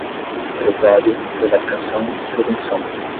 pretório, prevaricação, prevenção